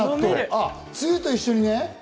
つゆと一緒にね。